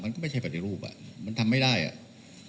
มันก็ไม่ใช่ปฏิรูปอ่ะมันทำไม่ได้อ่ะ